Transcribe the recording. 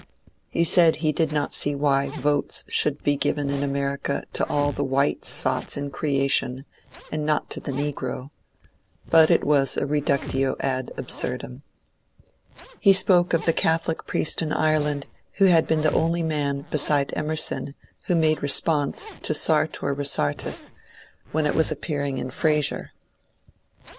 He said he did not see why votes should be given in America to all the white sots in creation and not to the negro, — but it was a redtictio ad absurdum. He spoke of the Catholic priest in Ireland who had been the only man beside Emerson who made response to ^^ Sartor Kesartus " EVENINGS WITH RUSKIN AND CARLYLE 109 when it was appearing in ^^ Fraser."